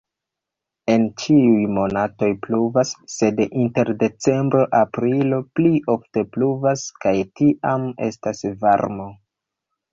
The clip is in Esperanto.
En ĉiuj monatoj pluvas, sed inter decembro-aprilo pli ofte pluvas kaj tiam estas varmo.